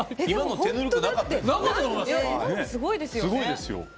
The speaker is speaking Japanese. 今のすごいですよね。